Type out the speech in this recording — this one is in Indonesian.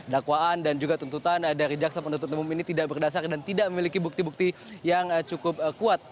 dakwaan dan juga tuntutan dari jaksa penuntut umum ini tidak berdasar dan tidak memiliki bukti bukti yang cukup kuat